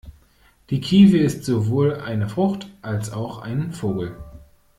Die Kiwi ist sowohl eine Frucht, als auch ein Vogel.